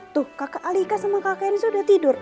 tuh kakak alika sama kakak rizu udah tidur